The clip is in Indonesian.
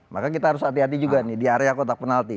maka kita harus hati hati juga nih di area kotak penalti